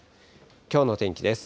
きょうの天気です。